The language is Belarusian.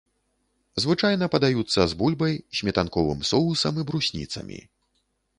Звычайна падаюцца з бульбай, сметанковым соусам і брусніцамі.